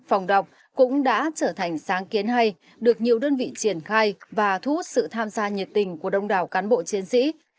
phòng đọc cũng đã trở thành sáng kiến hay được nhiều đơn vị triển khai và thu hút sự tham gia nhiệt tình của đông đảo cán bộ chiến sĩ